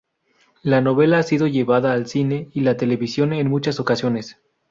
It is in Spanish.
La novela ha sido llevada al cine y la televisión en muchas ocasiones.